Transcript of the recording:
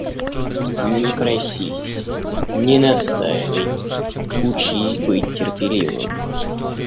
Не просись, не настаивай, учись быть терпеливым...